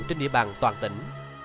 trên địa bàn toàn tỉnh